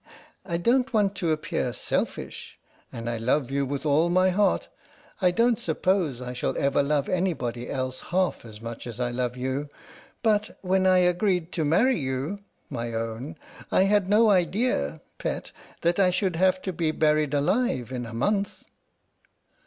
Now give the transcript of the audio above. I don't want to appear selfish, and I love you with all my heart. I don't suppose I shall ever love anybody else half as much as I love you. But when I agreed to marry you (my own) I had no idea (pet) that I should have to be buried alive in a month